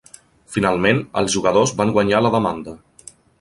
Finalment, els jugadors van guanyar la demanda.